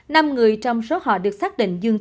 năm người trong số họ được xác định